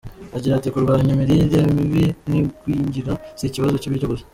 Agira ati “Kurwanya imirire mibi n’igwingira si ikibazo cy’ibiryo gusa.